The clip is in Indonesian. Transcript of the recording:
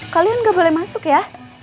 kalian nggak boleh masuk ya